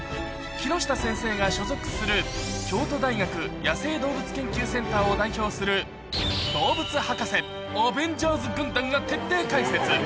木下先生が所属する京都大学野生動物研究センターを代表するどうぶつ博士、アベンジャーズ軍団が徹底解説。